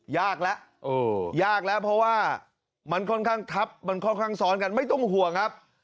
ยากแล้วยากแล้วเพราะว่ามันค่อนข้างทับมันค่อนข้างซ้อนกันไม่ต้องห่วงครับ